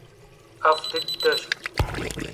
'ef' dıdeş.